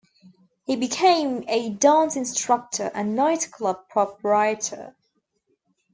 He became a dance instructor and nightclub proprietor.